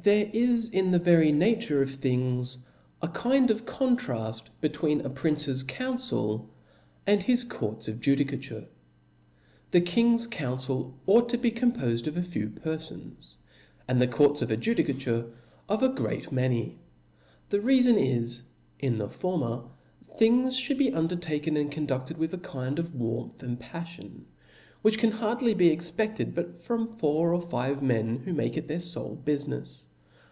There is in the vefry nature of things a kind of <:oiitraft between a prince's council and his courts of* I judicature. The king's council QUght to be C6m i a pofed ii6 T H E S P I R I T Book pofedof a few perfons, and the courts of judicatuttl Chap. V, of a great many. The, reafon is, in the former, ^^^*• things ftiould be undertaken and conduced with a kind of warmth and paflion, which can hardly be expeftcd, but from four or five men who make it their folc bufirrefs.